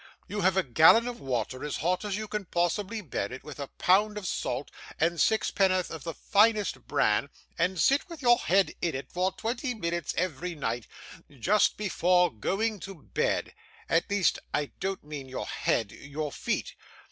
You have a gallon of water as hot as you can possibly bear it, with a pound of salt, and sixpen'orth of the finest bran, and sit with your head in it for twenty minutes every night just before going to bed; at least, I don't mean your head your feet.